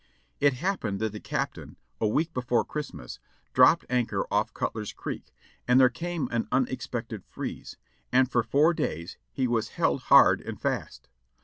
"It happened that the Captain, a week before Christmas, dropped anchor of¥ Cutler's Creek, and there came an unexpected freeze, and for four days he was held hard and fast.